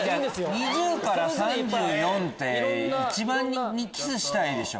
２０３４って一番キスしたいでしょ。